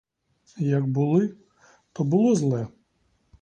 Як були, то було зле.